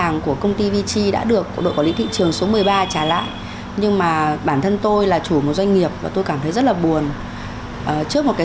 mặc dù đã được trả lại nhưng doanh nghiệp vẫn không khỏi băn khoăn